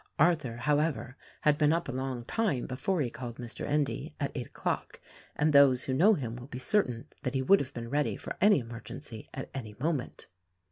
Arthur, however, had been up a long time before he called Mr. Endy — at eight o'clock; and those who know him will be certain that he would have been ready for any emergency at any moment.